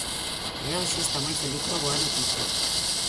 E hoxe está moi feliz coa boa noticia.